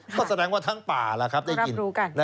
ก็แสดงว่าทั้งป่าล่ะครับได้ยิน